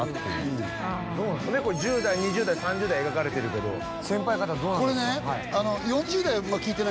１０代２０代３０代描かれてるけど先輩方どうなんですか？